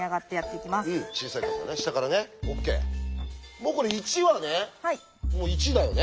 もうこれ１はね１だよね。